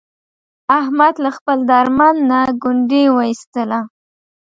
احمد له خپل درمند نه ګونډی و ایستلا.